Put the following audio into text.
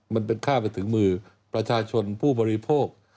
มันเป็นค่าไปถึงมือประชาชนผู้บริโภค